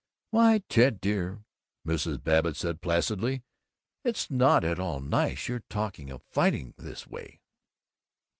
"Why, Ted dear," Mrs. Babbitt said placidly, "it's not at all nice, your talking of fighting this way!"